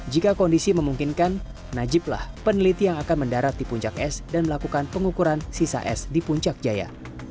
jika kondisi memungkinkan najiblah peneliti yang akan mendarat di puncak es dan melakukan pengukuran sisa es di puncak jaya